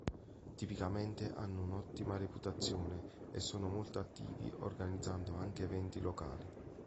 Tipicamente hanno una ottima reputazione e sono molto attivi organizzando anche eventi locali.